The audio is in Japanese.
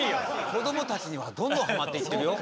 こどもたちにはどんどんはまっていってるよ。